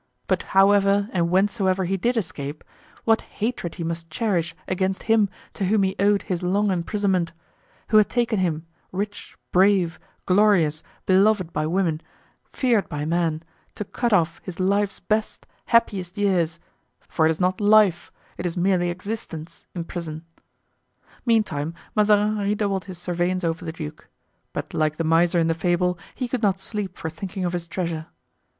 But however and whensoever he did escape, what hatred he must cherish against him to whom he owed his long imprisonment; who had taken him, rich, brave, glorious, beloved by women, feared by men, to cut off his life's best, happiest years; for it is not life, it is merely existence, in prison! Meantime, Mazarin redoubled his surveillance over the duke. But like the miser in the fable, he could not sleep for thinking of his treasure.